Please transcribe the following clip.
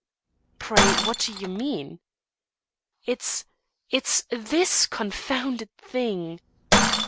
"Pray what do you mean?" "It's it's this confounded thing."